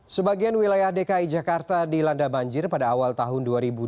sebagian wilayah dki jakarta dilanda banjir pada awal tahun dua ribu dua puluh